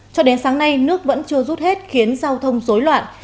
cho đến sáng nay nước vẫn chưa rút hết khiến giao thông dối loạn